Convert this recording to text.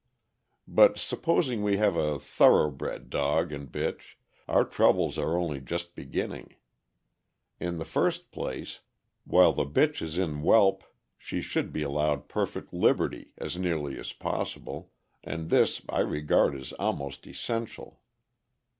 But supposing we have a thorough bred dog and bitch, our troubles are only just beginning. In the first place, while the bitch is in whelp she should be allowed perfect liberty, as nearly as possible, and this I regard as almost essential.